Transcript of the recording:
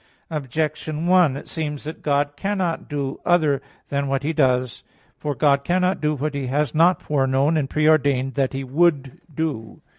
Objection 1: It seems that God cannot do other than what He does. For God cannot do what He has not foreknown and pre ordained that He would do.